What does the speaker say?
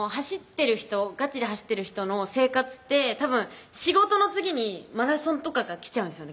ガチで走ってる人の生活ってたぶん仕事の次にマラソンとかが来ちゃうんです